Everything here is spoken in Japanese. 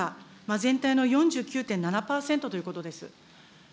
５０歳以下、全体の４９．７％ということです。